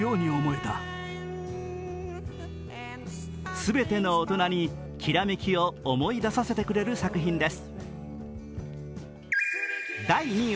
全ての大人にきらめきを思い出させてくれる作品です。